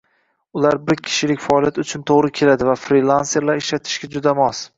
Ular bir kishilik faoliyat uchun to’g’ri keladi va frilanserlar ishlatishiga juda mos